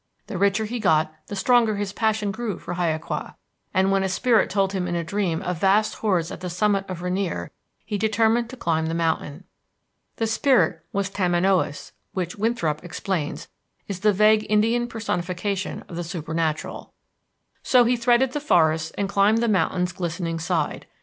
The richer he got the stronger his passion grew for hiaqua, and, when a spirit told him in a dream of vast hoards at the summit of Rainier, he determined to climb the mountain. The spirit was Tamanoüs, which, Winthrop explains, is the vague Indian personification of the supernatural. So he threaded the forests and climbed the mountain's glistening side.